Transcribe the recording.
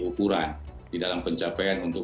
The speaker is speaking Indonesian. ukuran di dalam pencapaian untuk